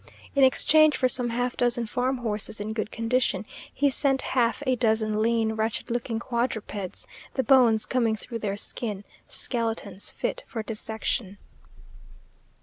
In exchange for some half dozen farm horses in good condition, he sent half a dozen lean, wretched looking quadrupeds, the bones coming through their skin, skeletons fit for dissection.